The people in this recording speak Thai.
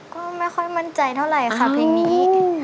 ก็ไม่ค่อยมั่นใจเท่าไหร่ค่ะเพลงนี้